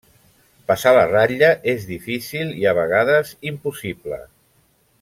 Passar la ratlla és difícil i a vegades impossible.